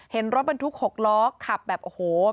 เห็นรถบรรทุก๖ล้อขับแบบโอ้โห